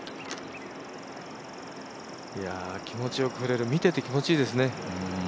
気持ちよく振れる、見ていて気持ちいいですね。